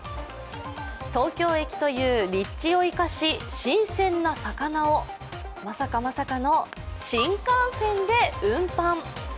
東京駅という立地を生かし、新鮮な魚をまさかまさかの新幹線で運搬。